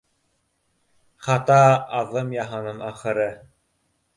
Хата аҙым яһаным, ахыры